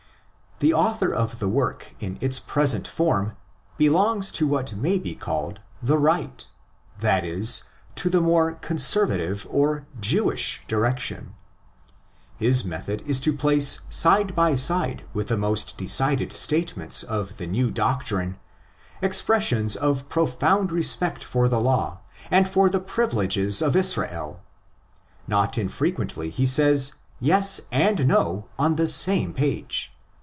The author of the work in its present form belongs to what may be called the "" right ''—that is, to the more conservative or Jewish direction. His method is to place side by side with the most decided state ments of the new doctrine expressions of profound respect for the law and for the privileges of Israel. Not infrequently he says yes and no on the same page.